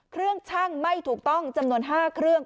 เครื่องช่างไม่ถูกต้องจำนวนห้าเครื่อง